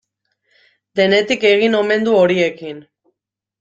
Denetik egin omen du horiekin.